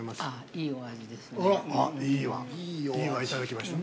◆いいお味、いただきました。